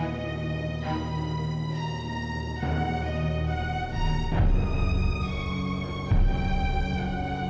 kamu kayak infrastruktur ak questo ini c labo senang banget